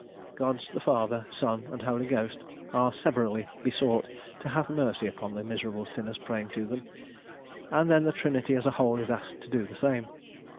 Gods the Father, Son, and Holy Ghost are severally besought to have mercy upon the miserable sinners praying to them, and then the Trinity as a whole is asked to do the same.